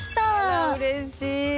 あらうれしい！